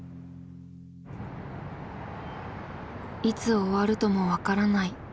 いつ終わるとも分からない